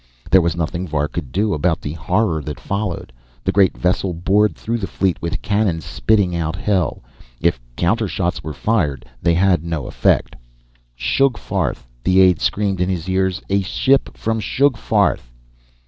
There was nothing Var could do about the horror that followed. The great vessel bored through the fleet with cannons spitting out hell. If countershots were fired, they had no effect. "Sugfarth!" the aide screamed in his ears. "A ship from Sugfarth!"